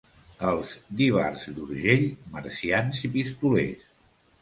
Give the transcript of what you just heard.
Els d'Ivars d'Urgell, marcians i pistolers.